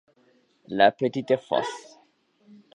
La Petite-Fosse